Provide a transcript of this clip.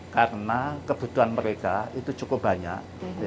karena kebutuhan mereka itu cukup banyak